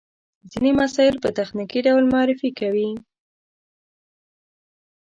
ځينې مسایل په تخنیکي ډول معرفي کوي.